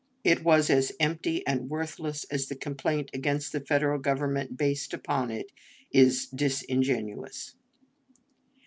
It was as empty and worthless as the complaint against the Confederate Government based upon it, is disingenuous.